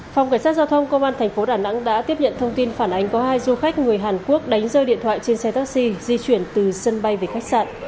phòng cảnh sát giao thông công an thành phố đà nẵng đã tiếp nhận thông tin phản ánh có hai du khách người hàn quốc đánh rơi điện thoại trên xe taxi di chuyển từ sân bay về khách sạn